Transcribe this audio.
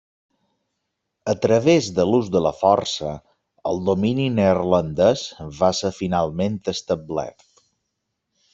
A través de l'ús de la força, el domini neerlandès va ser finalment establert.